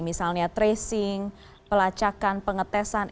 misalnya tracing pelacakan pengetesan